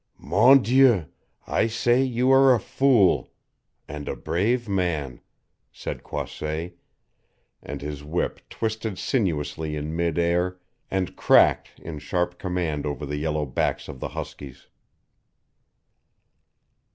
"Mon Dieu, I say you are a fool and a brave man," said Croisset, and his whip twisted sinuously in mid air and cracked in sharp command over the yellow backs of the huskies.